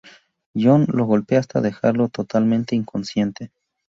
John lo golpea hasta dejarlo totalmente inconsciente.